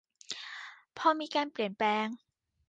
พอมีการเปลี่ยนแปลง